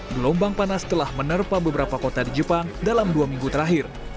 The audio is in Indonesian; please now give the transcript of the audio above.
gelombang panas telah menerpa beberapa kota di jepang dalam dua minggu terakhir